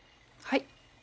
はい。